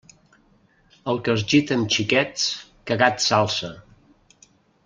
El que es gita amb xiquets, cagat s'alça.